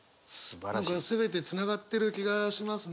今回は全てつながってる気がしますね。